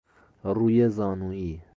روی زانویی